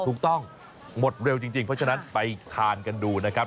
ถูกต้องหมดเร็วจริงเพราะฉะนั้นไปทานกันดูนะครับ